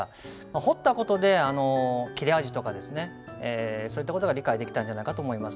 彫った事で切れ味とかそういった事が理解できたんじゃないかと思います。